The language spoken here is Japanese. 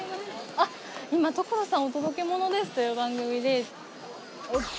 今『所さんお届けモノです！』という番組で。